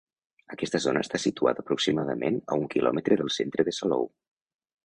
Aquesta zona està situada aproximadament a un quilòmetre del centre de Salou.